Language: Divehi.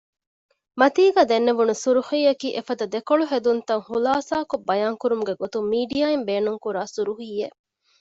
މަތީގައި ދެންނެވުނު ސުރުޚީއަކީ އެފަދަ ދެކޮޅުހެދުންތައް ޚުލާޞާކޮށް ބަޔާން ކުރުމުގެ ގޮތުން މީޑިއާއިން ބޭނުންކުރާ ސުރުޚީއެއް